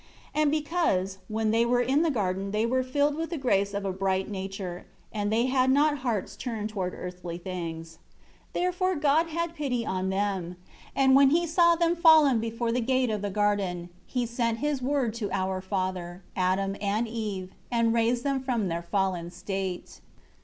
4 And because, when they were in the garden they were filled with the grace of a bright nature, and they had not hearts turned toward earthly things. 5 Therefore God had pity on them; and when He saw them fallen before the gate of the garden, He sent His Word to our father, Adam and Eve, and raised them from their fallen state.